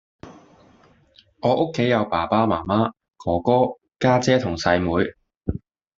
我屋企有爸爸媽媽，哥哥，家姐同細妹